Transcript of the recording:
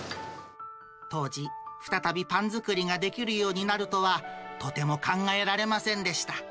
当時、再びパン作りができるようになるとは、とても考えられませんでした。